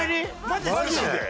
マジで？